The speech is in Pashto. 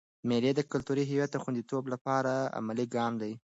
مېلې د کلتوري هویت د خونديتوب له پاره عملي ګام دئ.